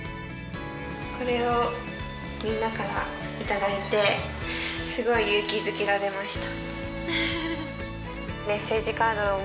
これをみんなから頂いてすごい勇気づけられました。